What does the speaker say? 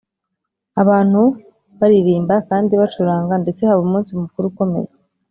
abantu baririmba kandi bacuranga ndetse haba umunsi mukuru ukomeye.